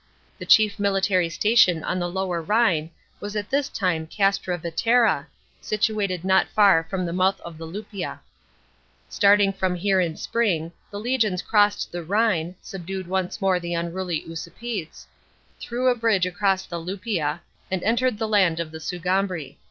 The chief military 128 WINNING AND LOSENG OF GERMANY. CHAP. ix. station on the Lower Rhine was at this time Castra Vetera,* situated not far from the mouth of the Luppia. Starting from h< re in spring, the legions crossed the Rhine, subdued once more the unruly Usipetes, threw a bridge across the Lup. ia and entered the land of the Sugambri.